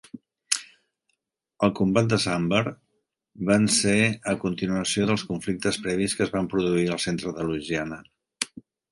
El combat de Sandbar van ser a continuació dels conflictes previs que es van produir al centre de Louisiana.